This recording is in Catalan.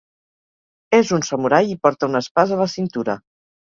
És un samurai i porta una espasa a la cintura.